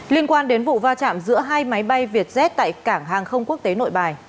liên quan đến vụ va chạm giữa hai máy bay vietjet tại cảng hàng không quốc tế nội bài